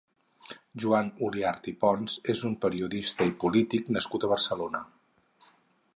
Joan Oliart i Pons és un periodista i polític nascut a Barcelona.